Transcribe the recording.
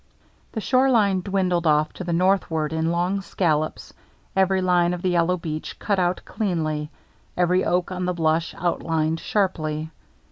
The shore line dwindled off to the northward in long scallops, every line of the yellow beach cut out cleanly, every oak on the bluff outlined sharply.